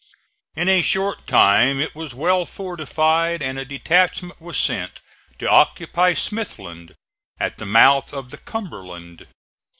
In a short time it was well fortified and a detachment was sent to occupy Smithland, at the mouth of the Cumberland.